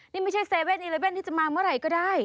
นี่ไม่ใช่๗๑๑ที่จะมาเมื่อไหร่ก็ได้